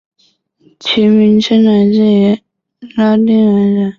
其名称来自于拉丁文的巴利阿里群岛。